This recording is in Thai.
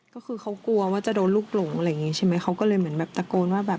ก็คือเขากลัวว่าจะโดนลูกหลงอะไรอย่างงี้ใช่ไหมเขาก็เลยเหมือนแบบตะโกนว่าแบบ